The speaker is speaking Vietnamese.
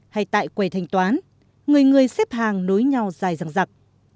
hay tại quầy thanh toán người người xếp hàng nối nhau dài răng rặc